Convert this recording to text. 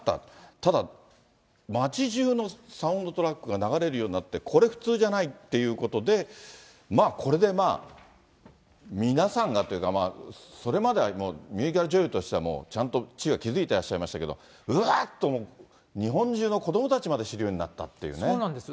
ただ、街じゅうのサウンドトラックが流れるようになって、これ、普通じゃないっていうことで、これでまあ、皆さんがというか、それまでもミュージカル女優としてはちゃんと地位は築いてらっしゃいましたけれども、うわっと、もう日本中の子どもたちまで知るそうなんですよ。